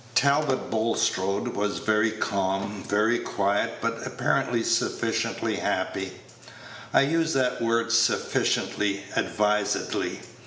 Talbot Bulstrode was very calm, very quiet, but apparently sufficiently happy. I use that word "sufficiently" advisedly.